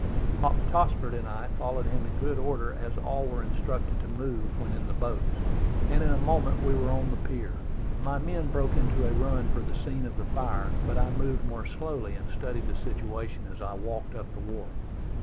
Hop Tossford and I followed him in good order, as all were instructed to move when in the boats; and in a moment we were on the pier. My men broke into a run for the scene of the fire; but I moved more slowly, and studied the situation as I walked up the wharf.